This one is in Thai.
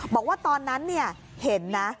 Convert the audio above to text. บอกว่าตอนนั้นเห็นนะ